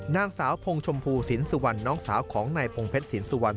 นางสาวพงชมพูสินสุวรรณน้องสาวของนายพงเพชรสินสุวรรณ